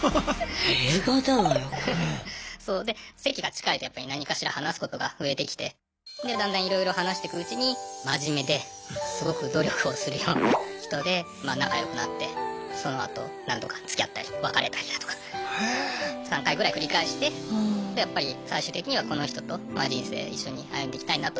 そうで席が近いとやっぱり何かしら話すことが増えてきてでだんだんいろいろ話してくうちに真面目ですごく努力をするような人でまあ仲良くなってそのあと何度かつきあったり別れたりだとか３回ぐらい繰り返してでやっぱり最終的にはこの人と人生一緒に歩んでいきたいなと。